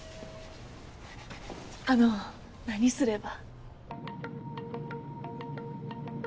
あの何すれば？